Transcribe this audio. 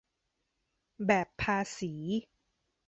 แบบภาษี